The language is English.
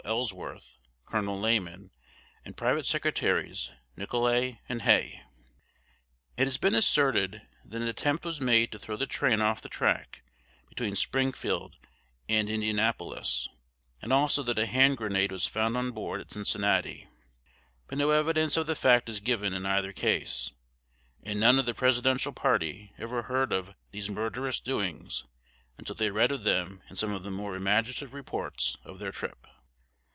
Ellsworth, Col. Lamon, and private secretaries Nicolay and Hay. It has been asserted that an attempt was made to throw the train off the track between Springfield and Indianapolis, and also that a hand grenade was found on board at Cincinnati, but no evidence of the fact is given in either case, and none of the Presidential party ever heard of these murderous doings until they read of them in some of the more imaginative reports of their trip.